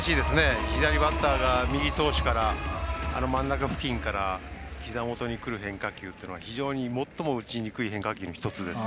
左バッターが右投手からあの真ん中付近からひざ元にくる変化球っていうのは非常に打ちにくい最も打ちにくい変化球の１つです。